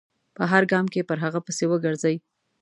په هر ګام کې پر هغه پسې و ګرځي.